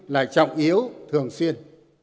là trọng yếu thường xuyên